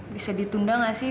bisa ditunda nggak sih